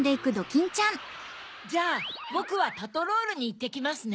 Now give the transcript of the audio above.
じゃあぼくはパトロールにいってきますね。